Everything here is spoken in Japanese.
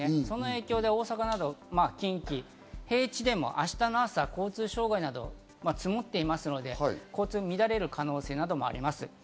その影響で大阪などは近畿、平地でも明日の朝、交通障害など雪が積もっていますので、交通が乱れる可能性があります。